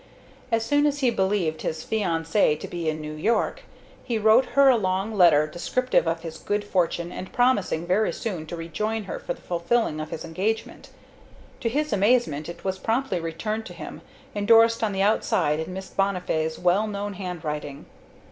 As soon as he believed his fiancée to be in New York, he wrote her a long letter descriptive of his good fortune and promising very soon to rejoin her for the fulfilling of his engagement. To his amazement it was promptly returned to him, endorsed on the outside in Miss Bonnifay's well known handwriting.